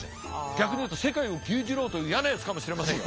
逆に言うと世界を牛耳ろうという嫌なやつかもしれませんよ。